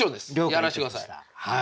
やらして下さい。